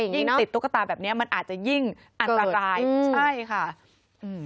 ยิ่งติดตุ๊กตาแบบเนี้ยมันอาจจะยิ่งอันตรายใช่ค่ะอืม